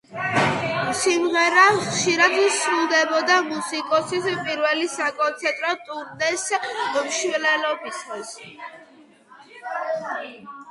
სიმღერა ხშირად სრულდებოდა მუსიკოსის პირველი საკონცერტო ტურნეს მსვლელობისას.